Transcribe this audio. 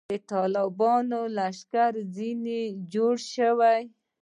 د طالبانو لښکر ځنې جوړ شو.